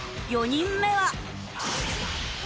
４人目は。